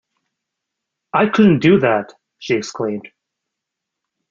"I couldn't do that," she exclaimed.